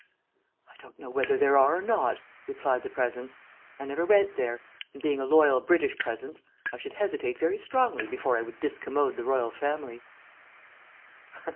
"I don't know whether there are or not," replied the Presence. "I never went there, and being a loyal British Presence, I should hesitate very strongly before I would discommode the Royal family."